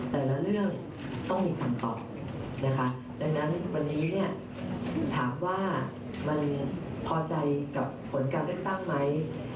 แต่ละเรื่องต้องมีคำตอบนะคะดังนั้นวันนี้เนี่ยถามว่ามันพอใจกับผลการเลือกตั้งไหม